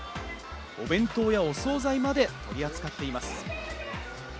お弁当やお惣菜まで取り扱っています。